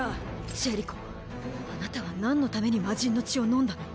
ジェリコあなたはなんのために魔神の血を飲んだの？